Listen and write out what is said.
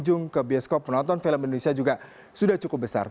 berkunjung ke bioskop penonton film indonesia juga sudah cukup besar